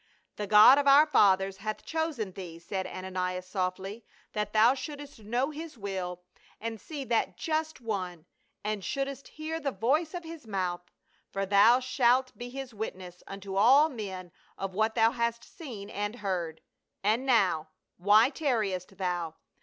" The God of our fathers hath chosen thee," said Ananias softly, " that thou shouldst know his will and see that Just One, and shouldst hear the voice of his mouth. For thou shalt be his witness unto all men of what thou hast seen and heard. And now, why tarriest thou